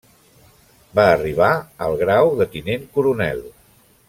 Va arribar el grau de tinent coronel.